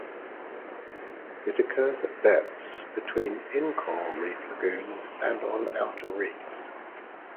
It occurs at depths between in coral reef lagoons and on outer reefs.